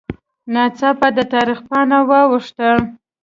ناڅاپه د تاریخ پاڼه واوښته